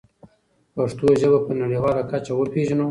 پښتو ژبه په نړیواله کچه وپېژنو.